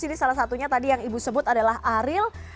ini salah satunya tadi yang ibu sebut adalah ariel